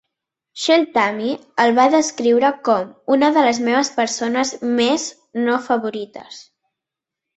Shel Tamany el va descriure com "una de les meves persones més no favorites".